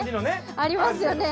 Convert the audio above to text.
ありますよね